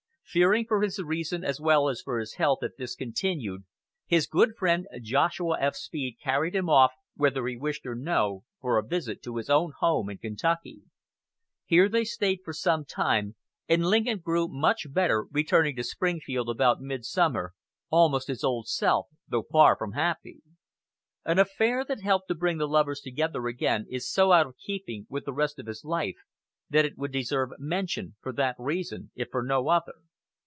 Fearing for his reason as well as for his health if this continued, his good friend Joshua F. Speed carried him off, whether he wished or no, for a visit to his own home in Kentucky. Here they stayed for some time, and Lincoln grew much better, returning to Springfield about midsummer, almost his old self, though far from happy. An affair that helped to bring the lovers together again is so out of keeping with the rest of his life, that it would deserve mention for that reason, if for no other.